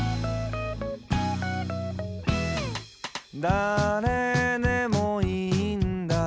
「誰でもいいんだ」